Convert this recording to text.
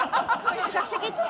シャキシャキって。